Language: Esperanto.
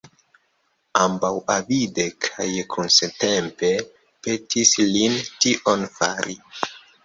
Ambaŭ avide kaj kunsenteme petis lin tion fari.